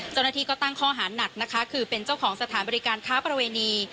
เจ้าหน้าที่ก็ตั้งข้อหาหนักนะคะคือเป็นเจ้าของสถานบริการค้าประเวณี